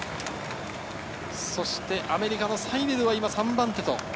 そしてアメリカのサイデルは今３番手。